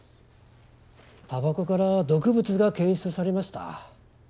たばこから毒物が検出されました。